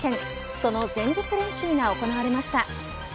その前日練習が行われました。